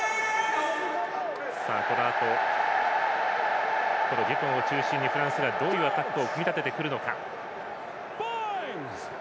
このあとデュポンを中心にフランスがどういうアタックを組み立ててくるのか。